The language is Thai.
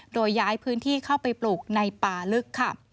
โดยย้ายพื้นที่เข้าไปปลูกในป่าลึกค่ะ